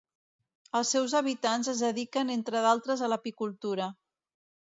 Els seus habitants es dediquen entre d'altres a l'apicultura.